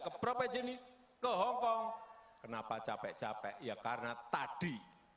ke hongkong kenapa capek capek ya karena tadi